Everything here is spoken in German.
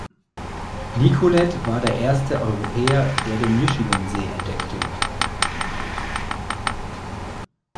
Nicolet war der erste Europäer, der den Michigansee entdeckte.